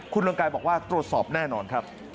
คุณเรืองกายบอกว่าตรวจสอบแน่นอนครับ